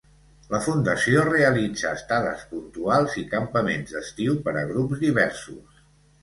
La Fundació realitza estades puntuals i campaments d'estiu per a grups diversos.